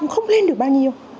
không lên được bao nhiêu